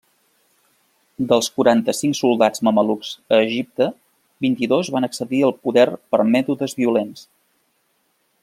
Dels quaranta-cinc soldans mamelucs a Egipte, vint-i-dos van accedir al poder per mètodes violents.